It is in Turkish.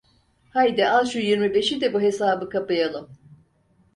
Haydi, al şu yirmi beşi de, bu hesabı kapayalım…